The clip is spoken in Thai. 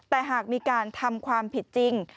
แต่หากมีการทำความผิดจริง